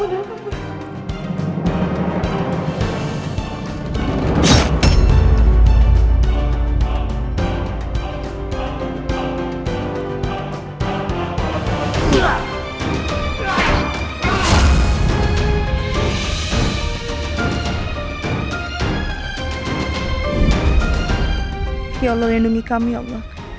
ya allah lindungi kami ya allah